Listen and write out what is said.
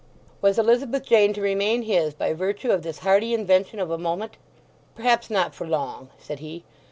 Was Elizabeth Jane to remain his by virtue of this hardy invention of a moment? "Perhaps not for long," said he.